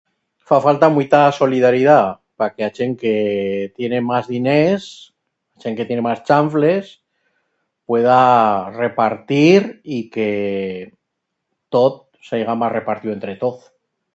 Fa falta muita solidaridat pa que a chent que tiene mas diners, chent que tiene mas chanfles, pueda repartir y que tot seiga mas repartiu entre toz.